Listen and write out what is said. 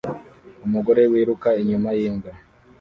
umugore wiruka inyuma yimbwa